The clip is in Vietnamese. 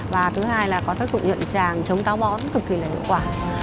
và thứ hai là có tác dụng nhuận tràng chống táo món cực kỳ là hiệu quả